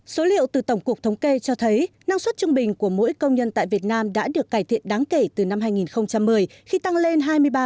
số liệu từ tổng cục thống kê cho thấy năng suất trung bình của mỗi công nhân tại việt nam đã được cải thiện đáng kể từ năm hai nghìn một mươi khi tăng lên hai mươi ba ba